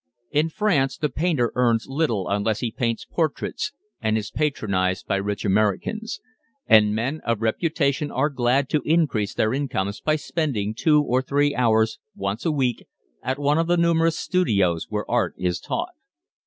In France the painter earns little unless he paints portraits and is patronised by rich Americans; and men of reputation are glad to increase their incomes by spending two or three hours once a week at one of the numerous studios where art is taught.